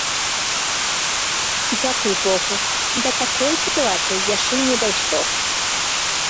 Дзякуй богу, да такой сітуацыі яшчэ не дайшло.